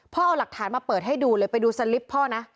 เอาหลักฐานมาเปิดให้ดูเลยไปดูสลิปพ่อนะ